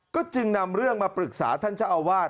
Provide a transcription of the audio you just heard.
ก็จึงนำเรื่องมาปรึกษาท่านเจ้าอาวาส